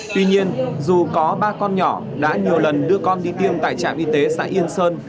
tuy nhiên dù có ba con nhỏ đã nhiều lần đưa con đi tiêm tại trạm y tế xã yên sơn